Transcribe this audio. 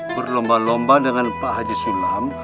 berlomba lomba dengan pak haji sulam